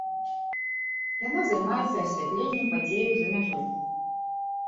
Яна займаецца асвятленнем падзеяў за мяжой.